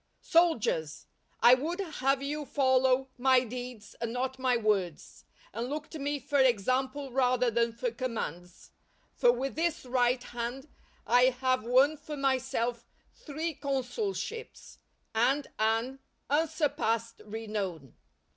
Soldiers! I would have you follow my deeds and not my words, and look to me for example rather than for commands; for with this right hand I have won for myself three consulships, and an unsurpassed renown.